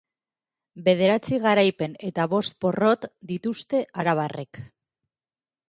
Bederatzi garaipen eta bost porrot dituzte arabarrek.